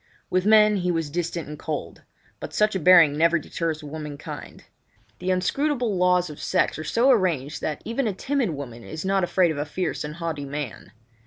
With men he was distant and cold; but such a bearing never deters womankind. The inscrutable laws of sex have so arranged that even a timid woman is not afraid of a fierce and haughty man.